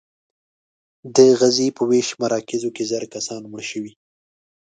د غزې په ویش مراکزو کې زر کسان مړه شوي.